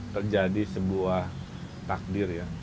terjadi sebuah takdir ya